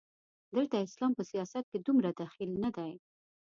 دلته اسلام په سیاست کې دومره دخیل نه دی.